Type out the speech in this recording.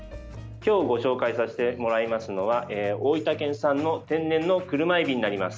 今日ご紹介させてもらいますのは大分県産の天然のクルマエビになります。